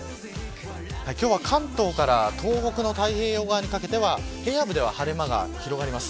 今日は関東から東北の太平洋側にかけては平野部では晴れ間が広がります。